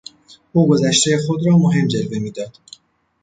او گذشتهی خود را مهم جلوه میداد.